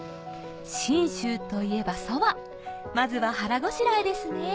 信州といえばそばまずは腹ごしらえですね